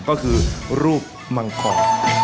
ก็คือรูปมังกร